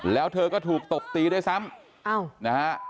แล้วเธอก็ถูกตกตีด้วยซ้ำ